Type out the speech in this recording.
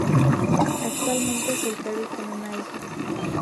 Actualmente soltero y con una hija.